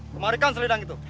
kemarikan selendang itu